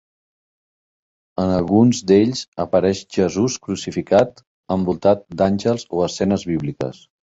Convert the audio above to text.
En alguns d'ells apareix Jesús crucificat envoltat d'àngels o escenes bíbliques.